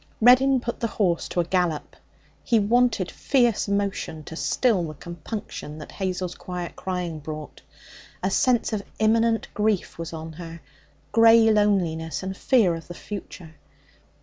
Reddin put the horse to a gallop. He wanted fierce motion to still the compunction that Hazel's quiet crying brought. A sense of immanent grief was on her, grey loneliness and fear of the future.